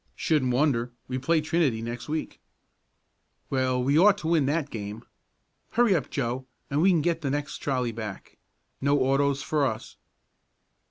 "Shouldn't wonder. We play Trinity next week." "Well, we ought to win that game. Hurry up, Joe, and we can get the next trolley back. No autos for us."